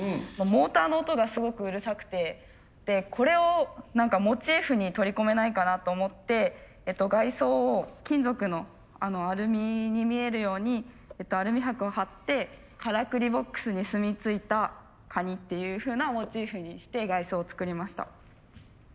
モーターの音がすごくうるさくてこれをモチーフに取り込めないかなと思って外装を金属のアルミに見えるようにアルミはくを貼ってからくりボックスにすみついたカニっていうふうなモチーフにして外装を作りました。